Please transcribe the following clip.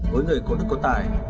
với người có đức có tài